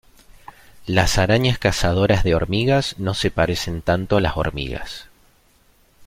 Las arañas cazadoras de hormigas no se parecen tanto a las hormigas.